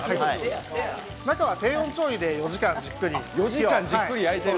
中は低温調理で４時間じっくり。